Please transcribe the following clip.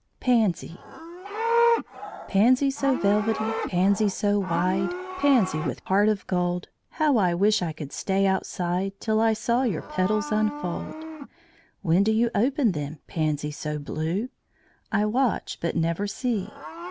PANSY Pansy so velvety, pansy so wide, Pansy with heart of gold, How I wish I could stay outside Till I saw your petals unfold! When do you open them, pansy so blue? I watch, but never see.